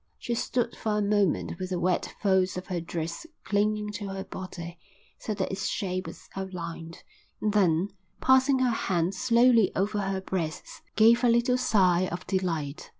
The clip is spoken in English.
She stood for a moment with the wet folds of her dress clinging to her body, so that its shape was outlined, and then, passing her hands slowly over her breasts, gave a little sigh of delight.